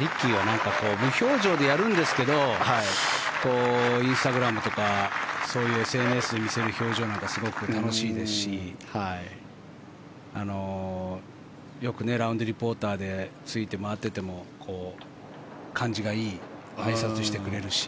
リッキーはなんか無表情でやるんですけどインスタグラムとかそういうＳＮＳで見せる表情なんかすごく楽しいですしよくラウンドリポーターでついて回っていても感じがいいあいさつしてくれるし。